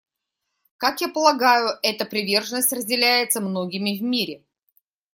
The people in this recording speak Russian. Как я полагаю, эта приверженность разделяется многими в мире.